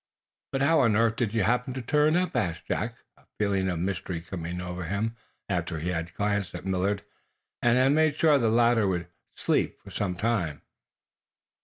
"But how on earth did you happen to turn up?" asked Jack, a feeling of mystery coming over him after he had glanced at Millard and had made sure that the latter would "sleep" for some time to come.